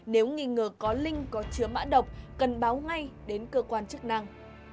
nếu nghi ngờ có linh có chứa mã độc cần báo ngay đến cơ quan chức năng